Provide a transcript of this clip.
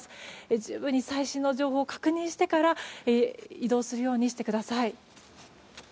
十分に最新の情報を確認してから移動するようにしてください。